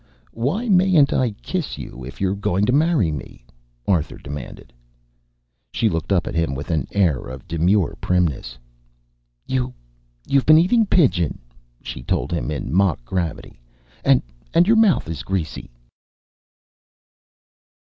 "Why mayn't I kiss you if you're going to marry me?" Arthur demanded. She looked up at him with an air of demure primness. "You you've been eating pigeon," she told him in mock gravity, "and and your mouth is greasy!"